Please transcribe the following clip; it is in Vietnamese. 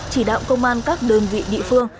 chỉ đạo công an các đơn vị địa phương